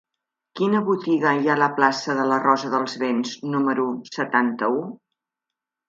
Quina botiga hi ha a la plaça de la Rosa dels Vents número setanta-u?